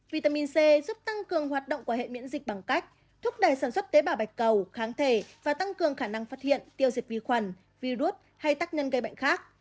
vitamin c giúp tăng cường hoạt động của hệ miễn dịch bằng cách thúc đẩy sản xuất tế bào bạch cầu kháng thể và tăng cường khả năng phát hiện tiêu diệt vi khuẩn virus hay tác nhân gây bệnh khác